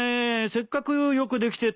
せっかくよくできてたのに。